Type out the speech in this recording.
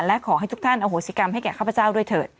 และขอให้ทุกท่านอโหสิกรรมให้แก่ข้าพเจ้าด้วยเถอะ